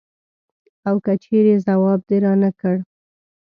او که چېرې ځواب دې رانه کړ.